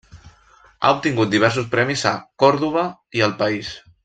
Ha obtingut diversos premis a Córdoba i el país.